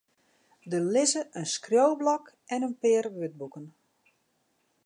Der lizze in skriuwblok en in pear wurdboeken.